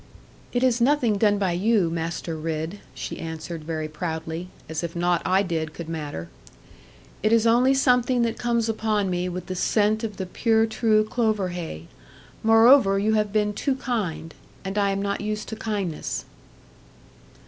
'It is nothing done by you, Master Ridd,' she answered, very proudly, as if nought I did could matter; 'it is only something that comes upon me with the scent of the pure true clover hay. Moreover, you have been too kind; and I am not used to kindness.'